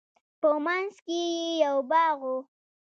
په منځ کښې يې يو باغ و.